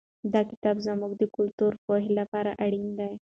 دا کتاب زموږ د کلتوري پوهې لپاره اړین دی.